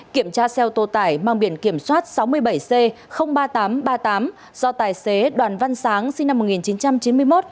kiểm tra xe ô tô tải mang biển kiểm soát sáu mươi bảy c ba nghìn tám trăm ba mươi tám do tài xế đoàn văn sáng sinh năm một nghìn chín trăm chín mươi một